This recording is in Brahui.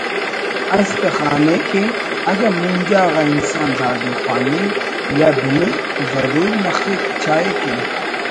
اس تخانے کہ اگہ مونجا غا انسان دادے خوانے یا بِنے تو ضرورمخک چاہے کہ